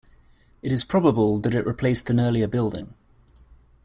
It is probable that it replaced an earlier building.